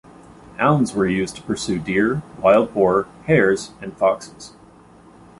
Hounds were used to pursue deer, wild boar, hares and foxes.